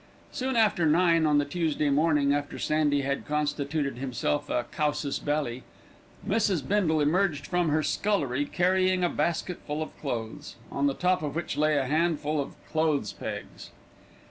Soon after nine on the Tuesday morning after Sandy had constituted himself a casus belli, Mrs. Bindle emerged from her scullery carrying a basketful of clothes, on the top of which lay a handful of clothes pegs.